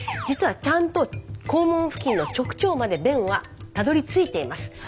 実はちゃんと肛門付近の直腸まで便はたどりついています。